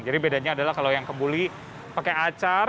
jadi bedanya adalah kalau yang kebuli pakai acar